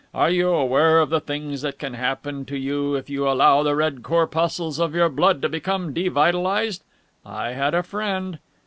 Are you aware of the things that can happen to you if you allow the red corpuscles of your blood to become devitalised? I had a friend...."